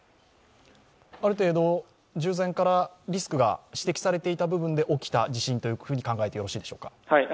ある程度、従前からリスクが指摘されていた部分で起きた地震と考えてよろしいでしょうか？